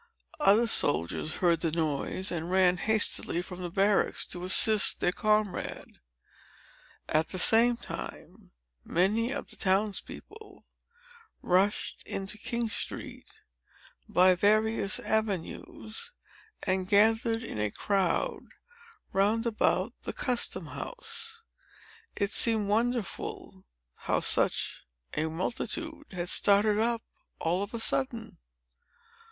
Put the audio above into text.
Other soldiers heard the noise, and ran hastily from the barracks, to assist their comrade. At the same time, many of the town's people rushed into King Street, by various avenues, and gathered in a crowd round about the custom house. It seemed wonderful how such a multitude had started up, all of a sudden.